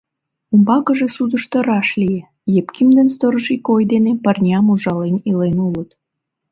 Умбакыже судышто раш лие: Епким ден сторож ик ой дене пырням ужален илен улыт.